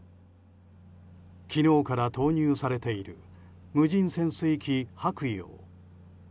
昨日から投入されている無人潜水機「はくよう」。